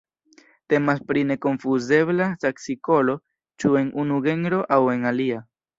Temas pri nekonfuzebla saksikolo ĉu en unu genro aŭ en alia.